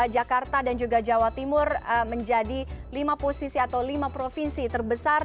jakarta dan juga jawa timur menjadi lima posisi atau lima provinsi terbesar